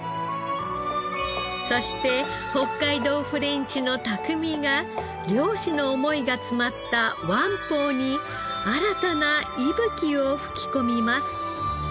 そして北海道フレンチの匠が漁師の思いが詰まった湾宝に新たな息吹を吹き込みます。